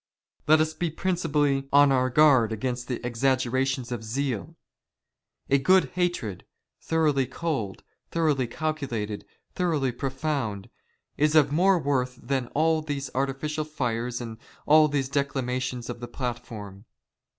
Let us be principally on oiir guard against the " exaggerations of zeal. A good hatred, thoroughly cold, " thoroughly calculated, thoroughly profound, is of more worth "than all these artificial fires and all these declamations of the " platform.